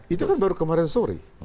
itu kan baru kemarin sore